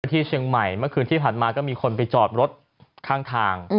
ที่เชียงใหม่เมื่อคืนที่ผ่านมาก็มีคนไปจอดรถข้างทาง